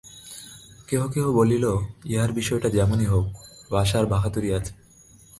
কেহ কেহ বলিল, ইহার বিষয়টা যেমনই হউক, ভাষার বাহাদুরি আছে।